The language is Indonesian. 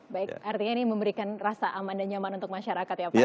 baik artinya ini memberikan rasa aman dan nyaman untuk masyarakat ya pak ya